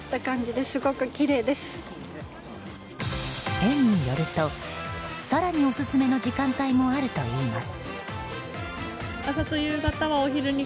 園によると、更にオススメの時間帯もあるといいます。